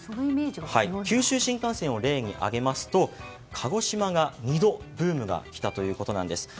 九州新幹線を例に挙げますと鹿児島が２度ブームがきたということです。